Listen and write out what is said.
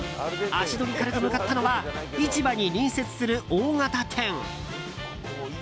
足取り軽く向かったのは市場に隣接する大型店。